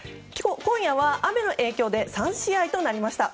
今夜は雨の影響で３試合となりました。